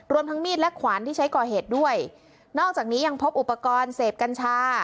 ทั้งมีดและขวานที่ใช้ก่อเหตุด้วยนอกจากนี้ยังพบอุปกรณ์เสพกัญชา